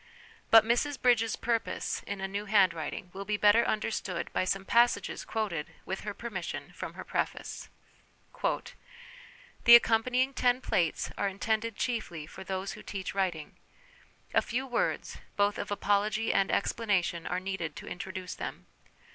But Mrs Bridges' purpose in A New Handwriting will be better understood by some passages quoted, with her permission, from her preface :" The accom panying ten plates are intended chiefly for those who teach writing : a few words, both of apology and ex planation, are needed to introduce them.